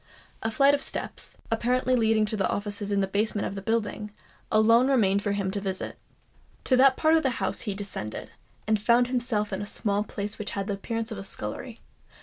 A flight of steps, apparently leading to offices in the basement of the building, alone remained for him to visit. To that part of the house he descended, and found himself in a small place which had the appearance of a scullery.